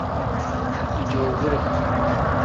Dijoovure.